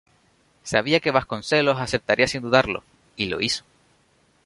Sabía que Vasconcelos aceptaría sin dudarlo, y lo hizo.